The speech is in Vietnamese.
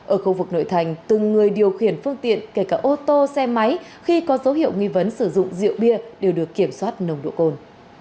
ở khu vực nội thành từng người điều khiển phương tiện kể cả ô tô xe máy khi có dấu hiệu nghi vấn sử dụng rượu bia đều được kiểm soát nồng độ cồn